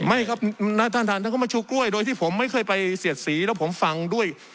ไม่ครับนะท่านท่านก็มาชูกล้วยโดยที่ผมไม่เคยไปเสียดสีแล้วผมฟังด้วย